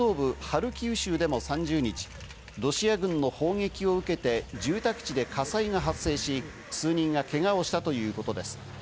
ハルキウ州でも３０日、ロシア軍の砲撃を受けて住宅地で火災が発生し、数人がけがをしたということです。